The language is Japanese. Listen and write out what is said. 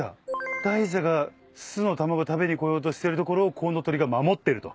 大蛇が巣の卵食べに来ようとしてるところをコウノトリが守ってると。